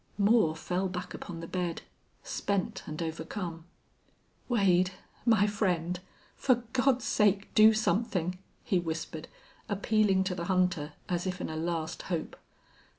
Moore fell back upon the bed, spent and overcome. "Wade, my friend, for God's sake do something," he whispered, appealing to the hunter as if in a last hope.